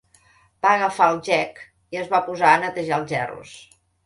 Va agafar el gec i es va posar a netejar els gerros.